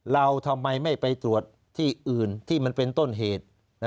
เราทำไมไม่ไปตรวจที่อื่นที่มันเป็นต้นเหตุ